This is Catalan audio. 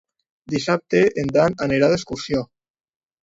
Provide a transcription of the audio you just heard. Dissabte en Dan anirà d'excursió.